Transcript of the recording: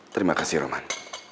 terima kasih roman